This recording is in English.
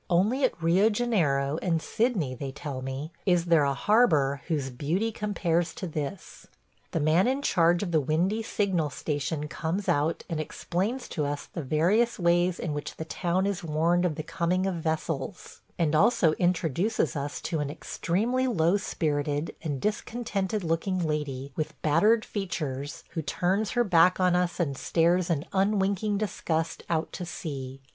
Only at Rio Janeiro and Sydney, they tell me, is there a harbor whose beauty compares to this. The man in charge of the windy signal station comes out and explains to us the various ways in which the town is warned of the coming of vessels, and also introduces us to an extremely low spirited and discontented looking lady with battered features who turns her back on us and stares in unwinking disgust out to sea.